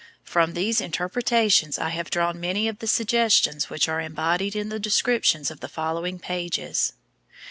From these interpretations I have drawn many of the suggestions which are embodied in the descriptions of the following pages.